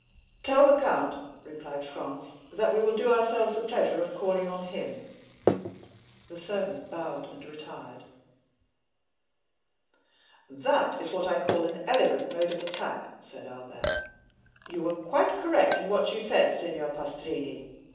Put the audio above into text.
"Tell the count," replied Franz, "that we will do ourselves the pleasure of calling on him." The servant bowed and retired. "That is what I call an elegant mode of attack," said Albert, "You were quite correct in what you said, Signor Pastrini.